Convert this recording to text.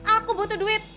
aku butuh duit